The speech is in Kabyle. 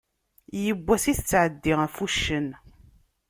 Yiwen wass i tettɛeddi ɣef wuccen.